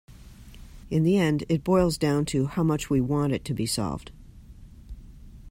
In the end it boils down to how much we want it to be solved.